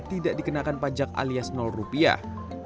tidak dikenakan pajak alias rupiah